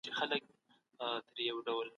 خلګ اوس سوله غواړي.